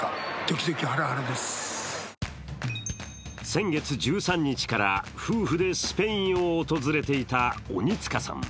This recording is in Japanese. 先月１３日から夫婦でスペインを訪れていた鬼塚さん。